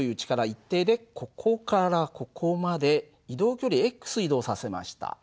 一定でここからここまで移動距離移動させました。